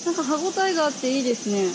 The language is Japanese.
歯応えがあっていいですね。